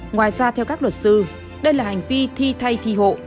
ngoài ra theo các luật sư đây là hành vi thi thay thi hộ